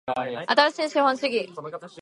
新しい資本主義